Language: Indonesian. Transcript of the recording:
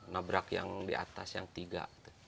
nabrak yang di atas yang tiga